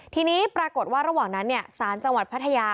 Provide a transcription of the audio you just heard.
ทีนี้ปรากฏว่าระหว่างนั้นศาลจังหวัดพัทยา